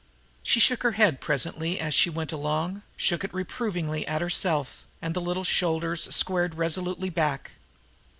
She shook her head presently as she went along, shook it reprovingly at herself, and the little shoulders squared resolutely back.